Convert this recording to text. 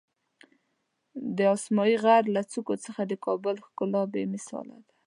د اسمایي غر له څوکو څخه د کابل ښکلا بېمثاله ده.